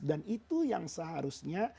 dan itu yang seharusnya